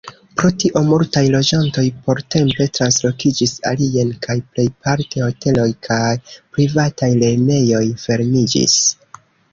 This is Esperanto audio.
Pro tio multaj loĝantoj portempe translokiĝis alien, kaj plejparte hoteloj kaj privataj lernejoj fermiĝis.